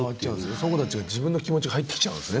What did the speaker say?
その子たちの自分の気持ちが入ってきちゃうんですね。